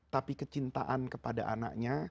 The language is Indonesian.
tapi kecintaan kepada anaknya